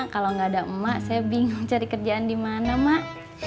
kalau nggak ada emak saya bingung cari kerjaan di mana mak